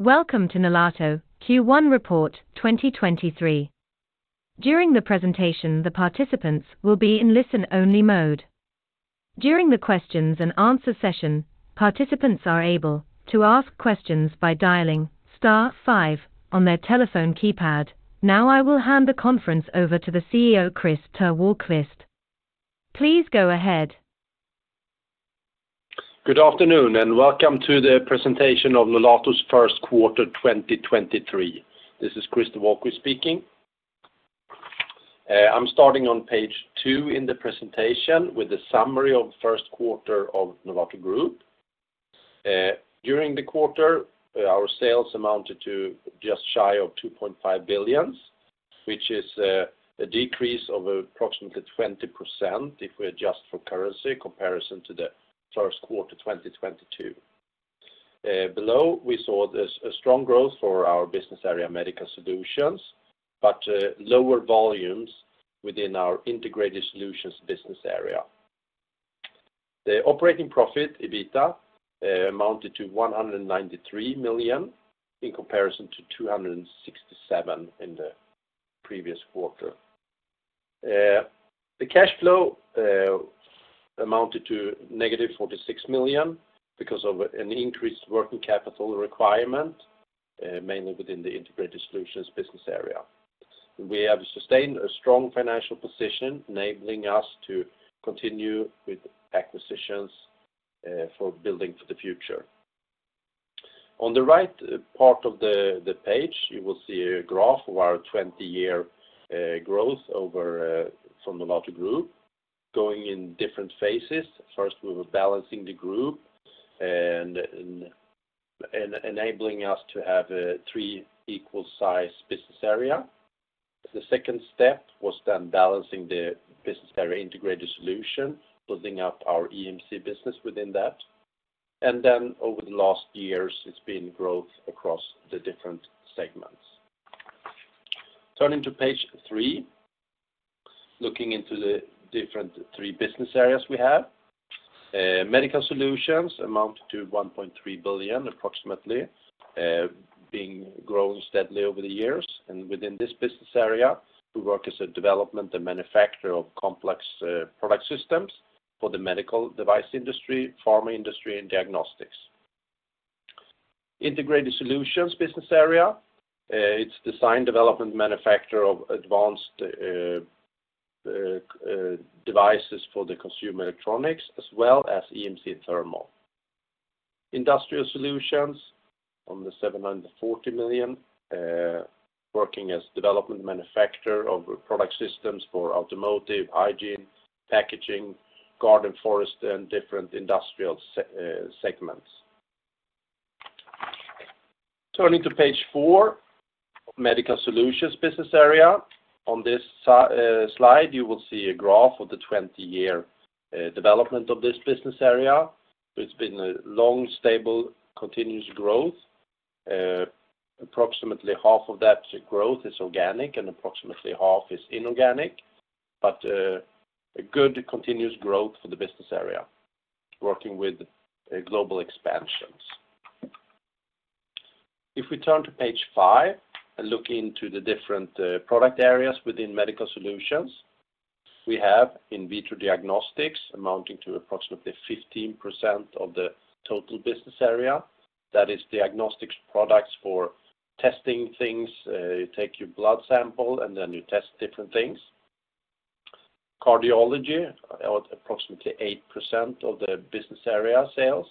Welcome to Nolato Q1 Report 2023. During the presentation, the participants will be in listen-only mode. During the questions and answer session, participants are able to ask questions by dialing star five on their telephone keypad. Now I will hand the conference over to the CEO, Christer Wahlquist. Please go ahead. Good afternoon, and welcome to the presentation of Nolato's first quarter 2023. This is Christer Wahlquist speaking. I'm starting on page two in the presentation with a summary of first quarter of Nolato Group. During the quarter, our sales amounted to just shy of 2.5 billion, which is a decrease of approximately 20% if we adjust for currency comparison to the first quarter 2022. Below, we saw this, a strong growth for our business area, Medical Solutions, but lower volumes within our Integrated Solutions business area. The operating profit, EBITDA, amounted to 193 million in comparison to 267 million in the previous quarter. The cash flow amounted to -46 million because of an increased working capital requirement, mainly within the Integrated Solutions business area. We have sustained a strong financial position, enabling us to continue with acquisitions for building for the future. On the right part of the page, you will see a graph of our 20-year growth over from Nolato Group going in different phases. First, we were balancing the group and enabling us to have three equal size business area. The second step was balancing the business area Integrated Solutions, building up our EMC business within that. Over the last years, it's been growth across the different segments. Turning to page three, looking into the different three business areas we have. Medical Solutions amounted to 1.3 billion, approximately, being grown steadily over the years. Within this business area, we work as a development and manufacturer of complex product systems for the medical device industry, pharma industry, and diagnostics. Integrated Solutions business area, it's design, development, manufacturer of advanced devices for the consumer electronics as well as EMC and thermal. Industrial Solutions on the 740 million, working as development manufacturer of product systems for automotive, hygiene, packaging, garden, forest, and different industrial segments. Turning to page four, Medical Solutions business area. On this slide, you will see a graph of the 20-year development of this business area. It's been a long, stable, continuous growth. Approximately half of that growth is organic, and approximately half is inorganic, but a good continuous growth for the business area, working with global expansions. If we turn to page five and look into the different product areas within Medical Solutions, we have In vitro diagnostics amounting to approximately 15% of the total business area. That is diagnostics products for testing things. You take your blood sample, and then you test different things. Cardiology, approximately 8% of the business area sales.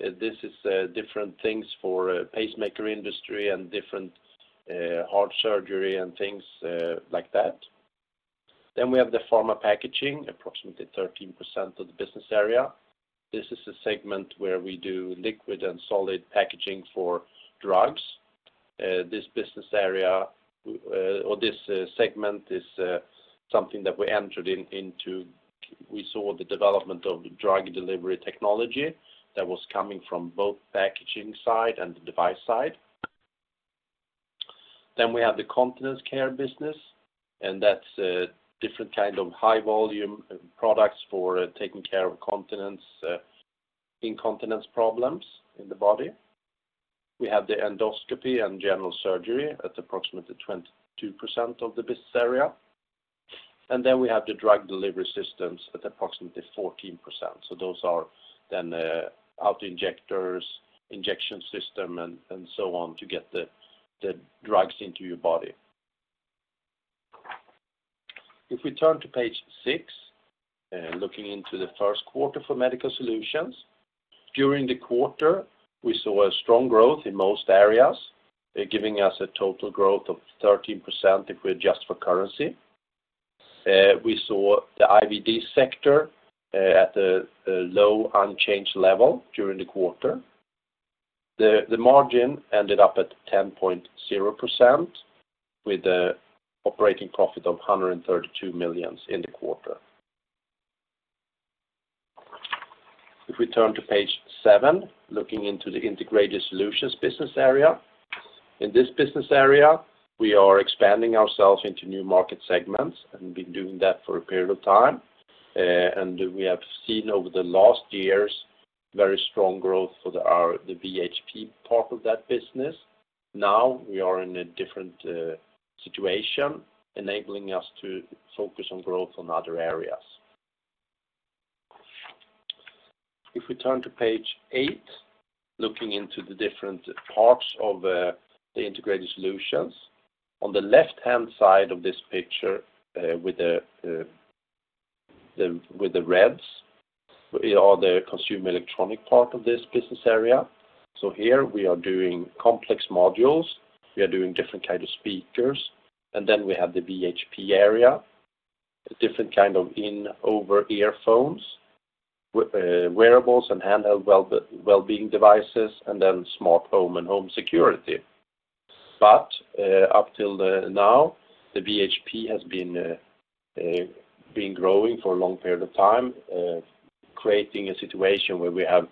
This is different things for pacemaker industry and different heart surgery and things like that. We have the Pharma Packaging, approximately 13% of the business area. This is a segment where we do liquid and solid packaging for drugs. This business area, or this segment is something that we entered into. We saw the development of drug delivery technology that was coming from both packaging side and the device side. We have the Continence care business, and that's a different kind of high volume products for taking care of continence, incontinence problems in the body. We have the endoscopy and general surgery at approximately 22% of the business area. We have the drug delivery systems at approximately 14%. Those are then autoinjectors, injection system, and so on to get the drugs into your body. We turn to page six, looking into the first quarter for Medical Solutions, during the quarter, we saw a strong growth in most areas, giving us a total growth of 13% if we adjust for currency. We saw the IVD sector at a low unchanged level during the quarter. The margin ended up at 10.0% with the operating profit of 132 million in the quarter. We turn to page seven, looking into the Integrated Solutions business area. In this business area, we are expanding ourselves into new market segments and been doing that for a period of time. We have seen over the last years very strong growth for the VHP part of that business. We are in a different situation, enabling us to focus on growth on other areas. We turn to page eight, looking into the different parts of the Integrated Solutions. On the left-hand side of this picture, with the reds are the consumer electronic part of this business area. Here we are doing complex modules. We are doing different kind of speakers, and then we have the VHP area, the different kind of in over-ear phones, with wearables and handheld well-being devices, and then smart home and home security. Up till the now, the VHP has been growing for a long period of time, creating a situation where we have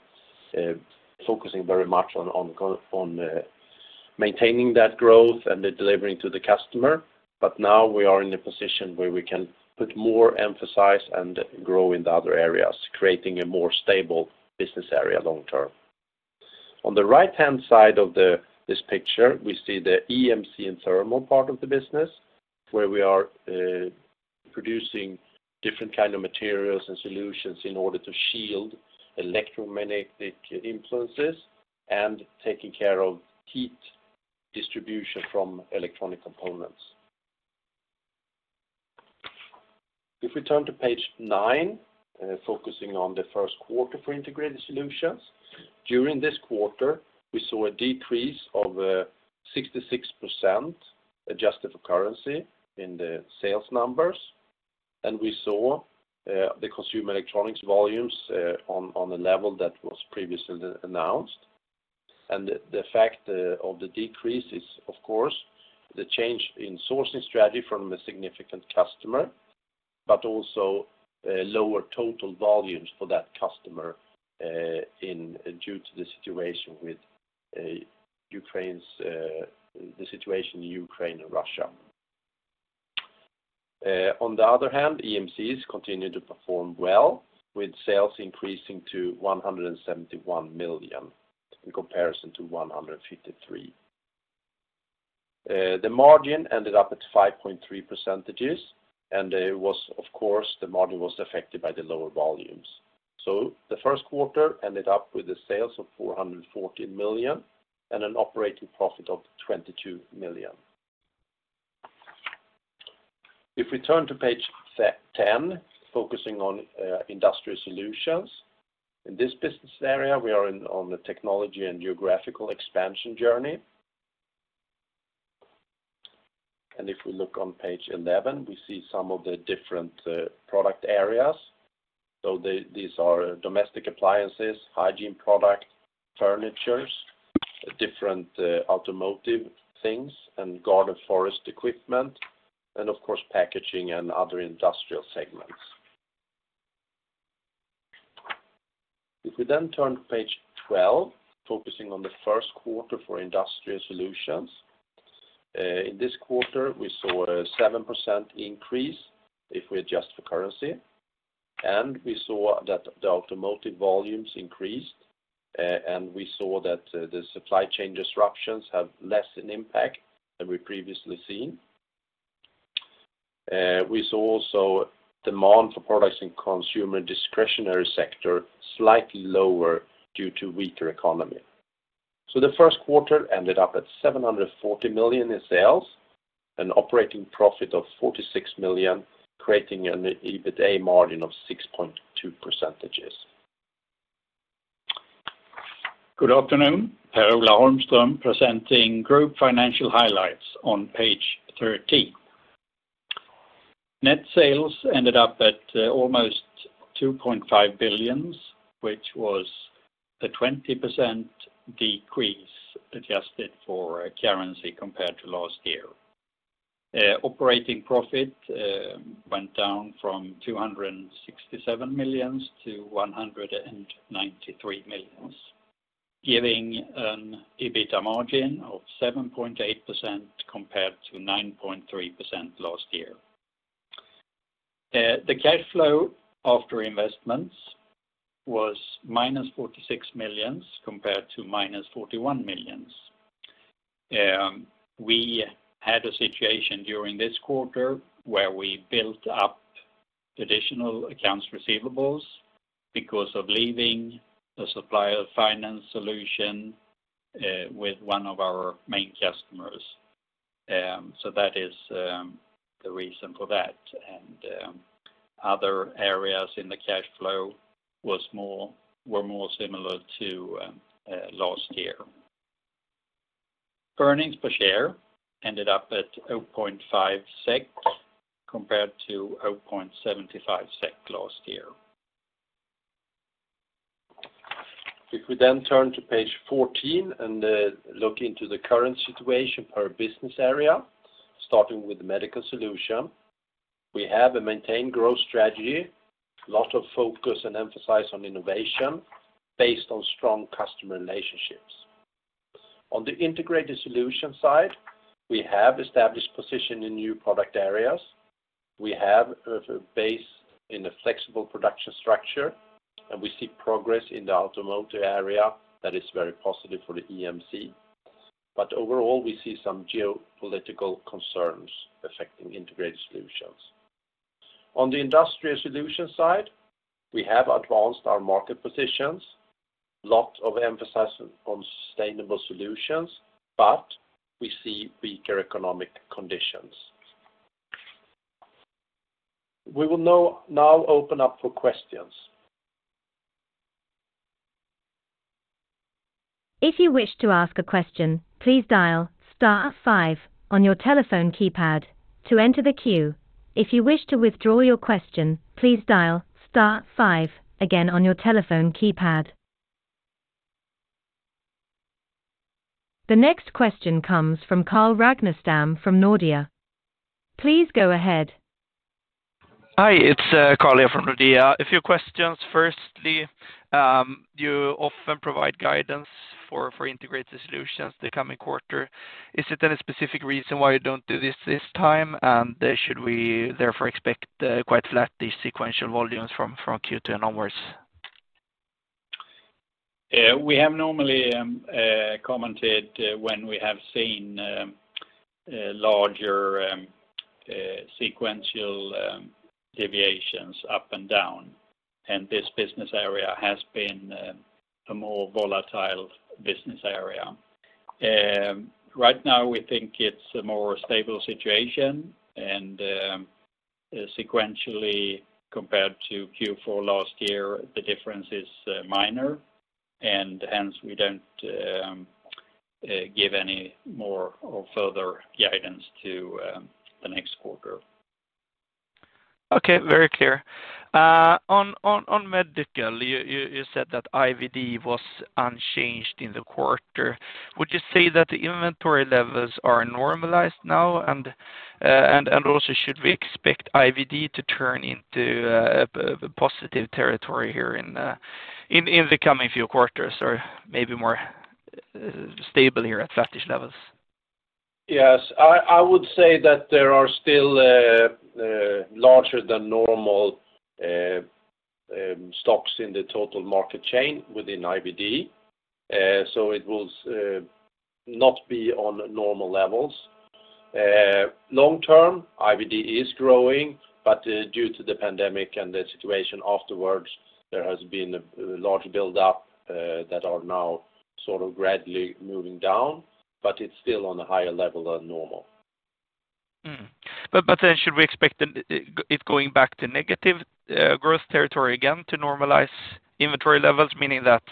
focusing very much on maintaining that growth and the delivering to the customer. Now we are in a position where we can put more emphasis and grow in the other areas, creating a more stable business area long term. On the right-hand side of this picture, we see the EMC and thermal part of the business, where we are producing different kind of materials and solutions in order to shield electromagnetic influences and taking care of heat distribution from electronic components. If we turn to page nine, focusing on the first quarter for Integrated Solutions, during this quarter, we saw a decrease of 66% adjusted for currency in the sales numbers, we saw the consumer electronics volumes on a level that was previously announced. The fact of the decrease is, of course, the change in sourcing strategy from a significant customer, but also lower total volumes for that customer due to the situation in Ukraine and Russia. On the other hand, EMCs continue to perform well, with sales increasing to 171 million in comparison to 153 million. The margin ended up at 5.3%, it was, of course, the margin was affected by the lower volumes. The first quarter ended up with the sales of 414 million and an operating profit of 22 million. If we turn to page 10, focusing on Industrial Solutions, in this business area, we are in, on the technology and geographical expansion journey. If we look on page 11, we see some of the different product areas. These are domestic appliances, hygiene product, furnitures, different automotive things, and garden forest equipment, and of course, packaging and other industrial segments. If we turn to page 12, focusing on the first quarter for Industrial Solutions, in this quarter, we saw a 7% increase if we adjust for currency, and we saw that the automotive volumes increased, and we saw that the supply chain disruptions have less an impact than we previously seen. We saw also demand for products in Consumer Discretionary sector slightly lower due to weaker economy. The first quarter ended up at 740 million in sales, an operating profit of 46 million, creating an EBITA margin of 6.2%. Good afternoon. Per-Ola Holmström presenting group financial highlights on page 13. Net sales ended up at almost 2.5 billion, which was a 20% decrease adjusted for currency compared to last year. Operating profit went down from 267 million to 193 million, giving an EBITA margin of 7.8% compared to 9.3% last year. The cash flow after investments was -46 million compared to -41 million. We had a situation during this quarter where we built up additional accounts receivables because of leaving the supplier finance solution with one of our main customers. That is the reason for that. Other areas in the cash flow were more similar to last year. Earnings per share ended up at 0.5 SEK compared to 0.75 SEK last year. Then we turn to page 14 and look into the current situation per business area, starting with the Medical Solutions. We have a maintained growth strategy, lot of focus and emphasis on innovation based on strong customer relationships. Integrated Solutions side, we have established position in new product areas. We have a base in a flexible production structure, we see progress in the automotive area that is very positive for the EMC. Overall, we see some geopolitical concerns affecting Integrated Solutions. Industrial Solutions side, we have advanced our market positions, lot of emphasis on sustainable solutions, we see weaker economic conditions. We will now open up for questions. If you wish to ask a question, please dial star five on your telephone keypad to enter the queue. If you wish to withdraw your question, please dial star five again on your telephone keypad. The next question comes from Carl Ragnerstam from Nordea. Please go ahead. Hi, it's Carl here from Nordea. A few questions. Firstly, you often provide guidance for Integrated Solutions the coming quarter. Is it any specific reason why you don't do this this time? Should we therefore expect quite flat the sequential volumes from Q2 onwards? We have normally commented when we have seen larger sequential deviations up and down, and this business area has been a more volatile business area. Right now, we think it's a more stable situation, and sequentially compared to Q4 last year, the difference is minor, and hence, we don't give any more or further guidance to the next quarter. Okay, very clear. On Medical, you said that IVD was unchanged in the quarter. Would you say that the inventory levels are normalized now and also should we expect IVD to turn into a positive territory here in the coming few quarters or maybe more stable here at flattish levels? Yes. I would say that there are still larger than normal stocks in the total market chain within IVD. It will not be on normal levels. Long term, IVD is growing, but due to the pandemic and the situation afterwards, there has been a large buildup that are now sort of gradually moving down, but it's still on a higher level than normal. Should we expect it going back to negative growth territory again to normalize inventory levels, meaning that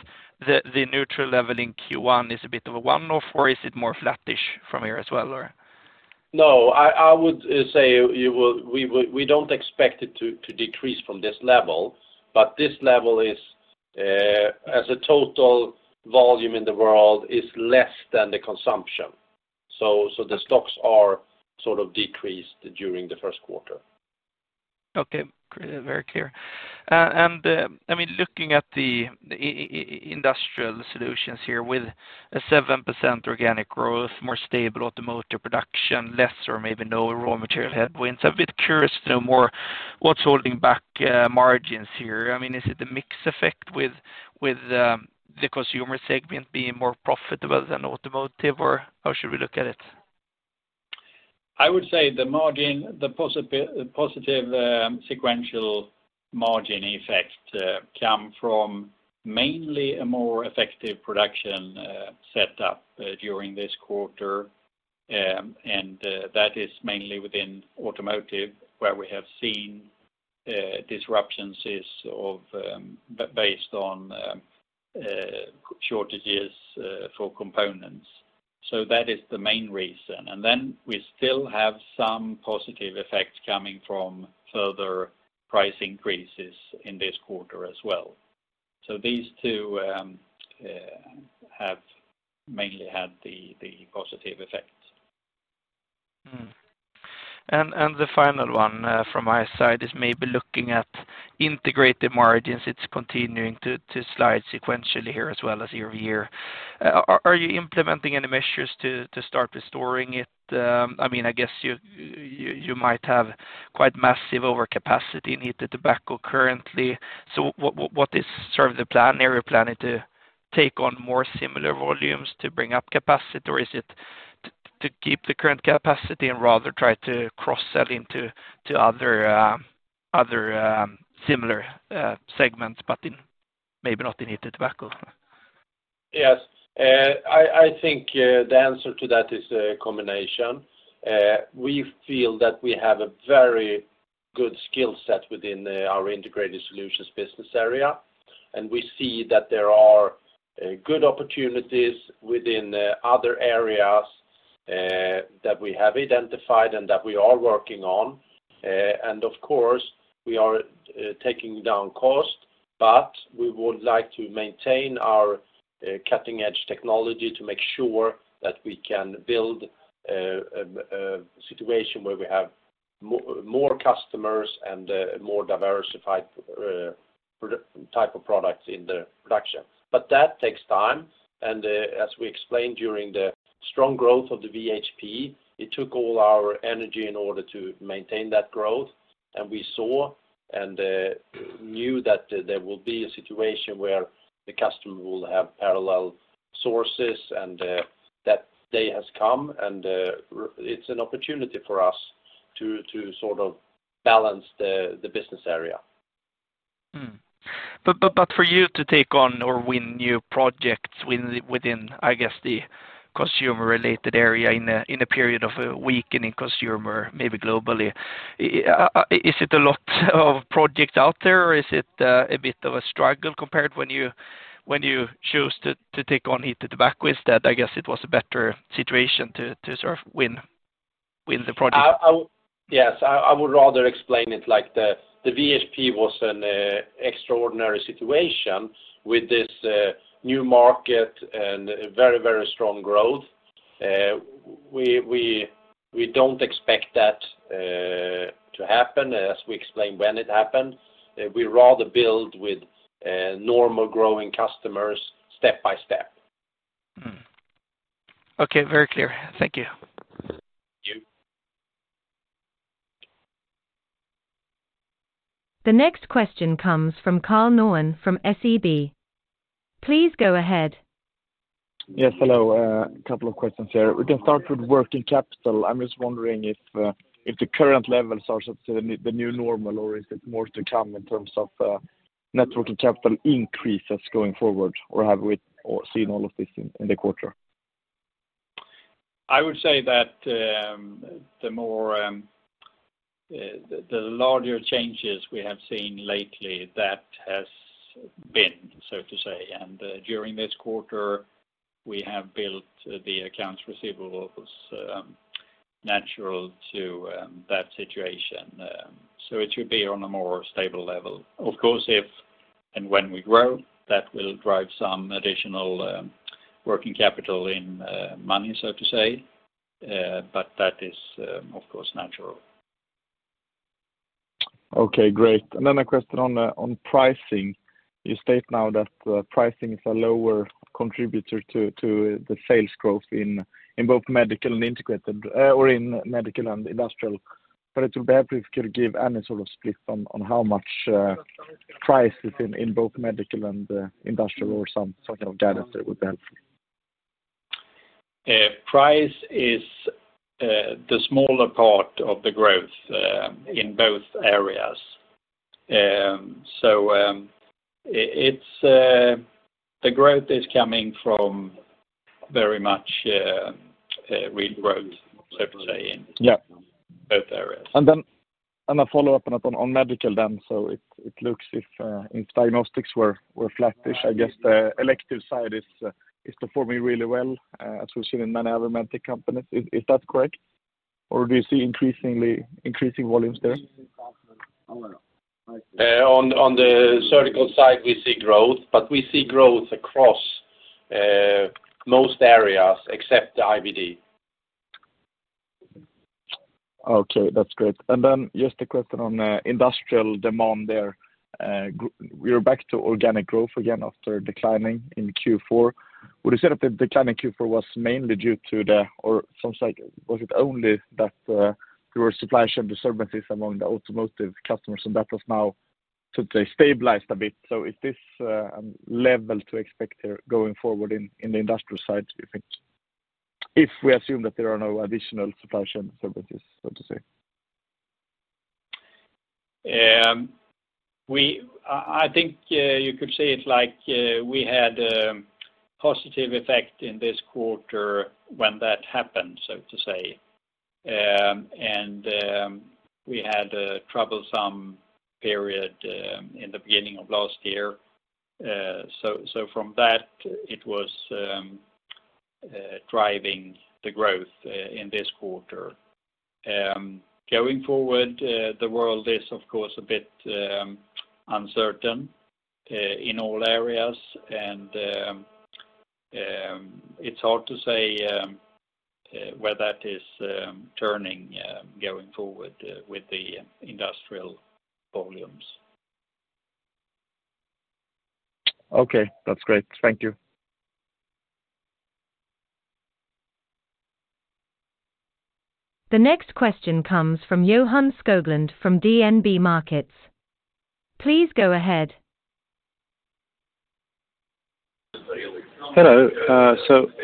the neutral level in Q1 is a bit of a one-off? Is it more flattish from here as well or? No, I would say we don't expect it to decrease from this level. This level is as a total volume in the world, is less than the consumption. The stocks are sort of decreased during the first quarter. Okay. Very clear. I mean, looking at Industrial Solutions here with a 7% organic growth, more stable automotive production, less or maybe no raw material headwinds. I'm a bit curious to know more what's holding back margins here. I mean, is it the mix effect with the consumer segment being more profitable than automotive, or how should we look at it? I would say the margin, the positive sequential margin effect come from mainly a more effective production set up during this quarter. That is mainly within automotive, where we have seen disruptions is of based on shortages for components. That is the main reason. We still have some positive effects coming from further price increases in this quarter as well. These two have mainly had the positive effects. The final one, from my side is maybe looking at Integrated margins. It's continuing to slide sequentially here as well as year-over-year. Are you implementing any measures to start restoring it? I mean, I guess you might have quite massive overcapacity in heated tobacco currently. What is sort of the plan? Are you planning to take on more similar volumes to bring up capacity, or is it to keep the current capacity and rather try to cross-sell into other, similar, segments but in maybe not in heated tobacco? Yes. I think the answer to that is a combination. We feel that we have a very good skill set within our Integrated Solutions business area, and we see that there are good opportunities within the other areas that we have identified and that we are working on. Of course, we are taking down cost. We would like to maintain our cutting-edge technology to make sure that we can build a situation where we have more customers and more diversified type of products in the production. That takes time, and as we explained during the strong growth of the VHP, it took all our energy in order to maintain that growth. We saw and knew that there will be a situation where the customer will have parallel sources, and that day has come, and it's an opportunity for us to sort of balance the business area. For you to take on or win new projects within, I guess, the consumer-related area in a period of a weakening consumer, maybe globally, is it a lot of projects out there, or is it a bit of a struggle compared when you chose to take on heated tobacco is that I guess it was a better situation to sort of win the project? Yes, I would rather explain it like the VHP was an extraordinary situation with this new market and very strong growth. We don't expect that to happen as we explained when it happened. We rather build with normal growing customers step-by-step. Okay, very clear. Thank you. Thank you. The next question comes from Carl Norlén from SEB. Please go ahead. Yes, hello. A couple of questions here. We can start with working capital. I'm just wondering if the current levels are sort of the new normal, or is it more to come in terms of net working capital increases going forward, or have we seen all of this in the quarter? I would say that, the more, the larger changes we have seen lately, that has been, so to say. During this quarter, we have built the accounts receivables, natural to that situation. It should be on a more stable level. Of course, if and when we grow, that will drive some additional working capital in money, so to say, that is, of course, natural. Okay, great. A question on pricing. You state now that pricing is a lower contributor to the sales growth in both medical and industrial. It would be helpful if you could give any sort of split on how much price is in both medical and industrial or some sort of guidance there would be helpful. Price is the smaller part of the growth in both areas. It's the growth is coming from very much real growth, so to say. Yeah.... in both areas. And a follow-up on medical then. It looks if diagnostics were flattish, I guess the elective side is performing really well, as we've seen in many other med tech companies. Is that correct? Or do you see increasing volumes there? On the surgical side, we see growth, but we see growth across most areas except the IVD. Okay, that's great. Just a question on industrial demand there. We are back to organic growth again after declining in Q4. Would you say that the decline in Q4 was mainly due to the or it sounds like was it only that there were supply chain disturbances among the automotive customers and that was now, so to say, stabilized a bit? Is this a level to expect here going forward in the industrial side, do you think, if we assume that there are no additional supply chain services, so to say? I think you could say it like, we had a positive effect in this quarter when that happened, so to say. We had a troublesome period in the beginning of last year. From that, it was driving the growth in this quarter. Going forward, the world is, of course, a bit uncertain in all areas, and it's hard to say where that is turning going forward with the industrial volumes. Okay, that's great. Thank you. The next question comes from Johan Skoglund from DNB Markets. Please go ahead. Hello.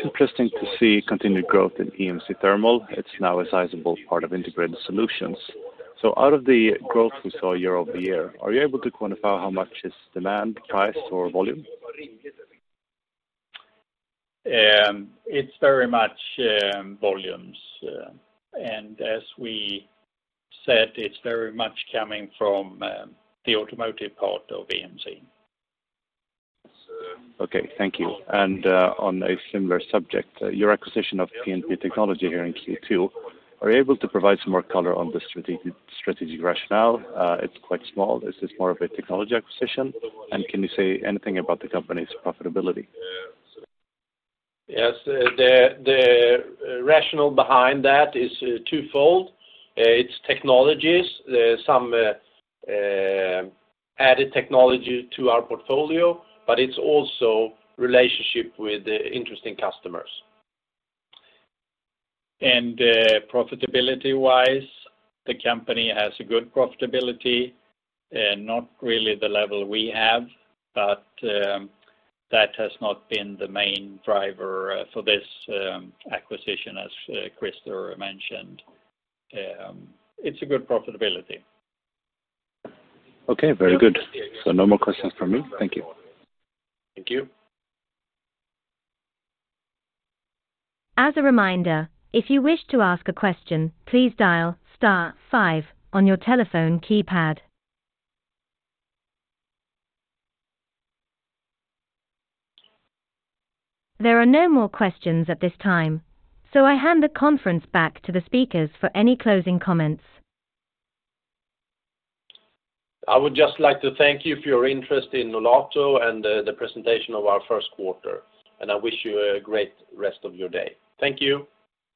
Interesting to see continued growth in EMC Thermal. It's now a sizable part of Integrated Solutions. Out of the growth we saw year-over-year, are you able to quantify how much is demand, price, or volume? It's very much, volumes. As we said, it's very much coming from, the automotive part of EMC. Okay, thank you. On a similar subject, your acquisition of P&P Technology here in Q2, are you able to provide some more color on the strategic rationale? It's quite small. Is this more of a technology acquisition? Can you say anything about the company's profitability? Yes. The rationale behind that is twofold. It's technologies, some added technology to our portfolio, but it's also relationship with interesting customers. Profitability-wise, the company has a good profitability, not really the level we have, but that has not been the main driver for this acquisition, as Christer mentioned. It's a good profitability. Okay, very good. No more questions from me. Thank you. Thank you. As a reminder, if you wish to ask a question, please dial star five on your telephone keypad. There are no more questions at this time. I hand the conference back to the speakers for any closing comments. I would just like to thank you for your interest in Nolato and the presentation of our first quarter, I wish you a great rest of your day. Thank you.